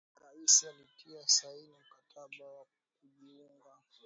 Rais alitia saini mkataba wa kujiunga